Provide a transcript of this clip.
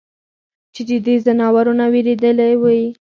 چې د دې ځناورو نه وېرېدلے وي ؟